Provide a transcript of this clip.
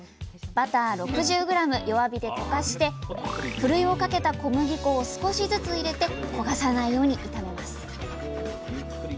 バター６０ｇ弱火で溶かしてふるいをかけた小麦粉を少しずつ入れて焦がさないように炒めます。